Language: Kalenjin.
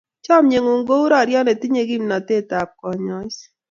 Chomye ng'ung' kou roryet netinye kimnotap konyois.